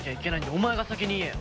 お前が先に言えよ。